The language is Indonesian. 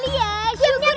iya masa disuruh jemur